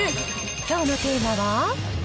きょうのテーマは？